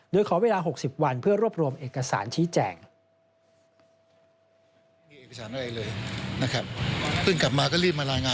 โดยขอเวลา๖๐วันเพื่อรวบรวมเอกสารชี้แจง